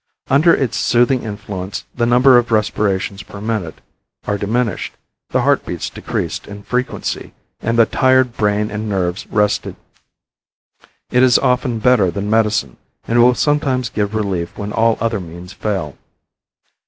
Under its soothing influence the number of respirations per minute are diminished, the heart beats decreased in frequency, and the tired brain and nerves rested. It is often better than medicine, and will sometimes give relief when all other means fail.